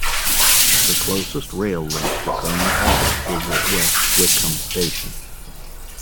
The closest rail link to Coney Hall is at West Wickham station.